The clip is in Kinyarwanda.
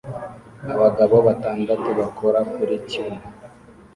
Abagabo batandatu bakora kuri tunnel